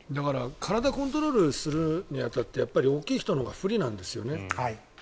体をコントロールするに当たって大きい人のほうが不利なんですよね。